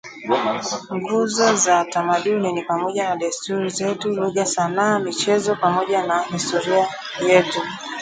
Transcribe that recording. Nguzo za tamaduni ni pamoja na desturi zetu, lugha, sanaa, michezo pamoja na historia yetu